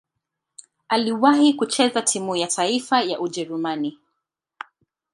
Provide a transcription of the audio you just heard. Aliwahi kucheza timu ya taifa ya Ujerumani.